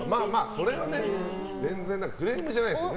それは全然クレームじゃないですよね。